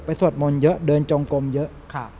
สวดมนต์เยอะเดินจงกลมเยอะ